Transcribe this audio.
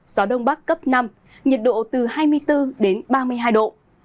gió đông bắc cấp năm nhiệt độ từ hai mươi bốn đến ba mươi hai độ